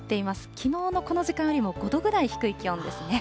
きのうのこの時間よりも５度ぐらい低い気温ですね。